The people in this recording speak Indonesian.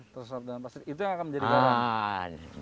terterap dalam pasir itu yang akan menjadi garam